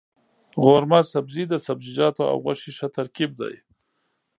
قورمه سبزي د سبزيجاتو او غوښې ښه ترکیب دی.